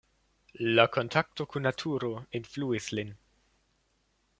La kontakto kun naturo influis lin.